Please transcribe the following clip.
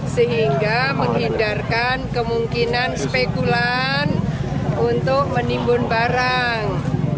sehingga menghindarkan kemungkinan spekulan untuk menimbun barang